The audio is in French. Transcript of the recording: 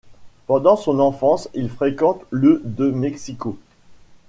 Pendant son enfance, il fréquente le de Mexico.